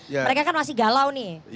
mereka kan masih galau nih